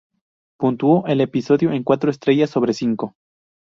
Puntuó el episodio con cuatro estrellas sobre cinco.